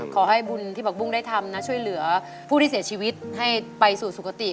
ขอให้บุญที่ผักบุ้งได้ทำนะช่วยเหลือผู้ที่เสียชีวิตให้ไปสู่สุขติ